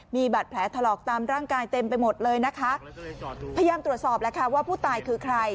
มีบัตรแผลทะเลาะตามร่างกายเต็มไปหมดเลยพยายามตรวจสอบแล้วว่าผู้ตายคือใคร